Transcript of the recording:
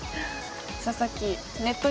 佐々木ネット